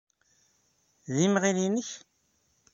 D imɣil-inek?